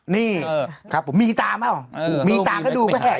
มีตาเหรอมีตาก็ดูไปแห่งตาดู